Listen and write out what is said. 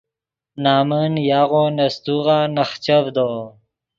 نمن یاغو نے سیتوغا نخچڤدو